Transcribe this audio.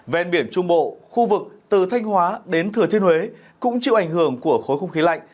ven biển trung bộ khu vực từ thanh hóa đến thừa thiên huế cũng chịu ảnh hưởng của khối không khí lạnh